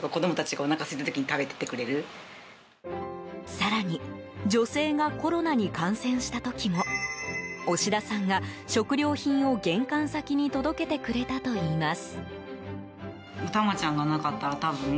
更に女性がコロナに感染した時も押田さんが食料品を玄関先に届けてくれたといいます。